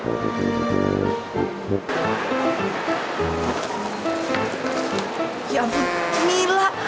ya ampun milah